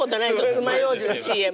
つまようじのＣＭ。